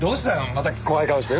また怖い顔して。